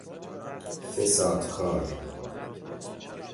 فساد کار